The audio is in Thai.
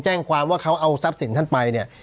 แจ้งความว่าเขาเอาทรัพย์สินท่านไปเนี่ย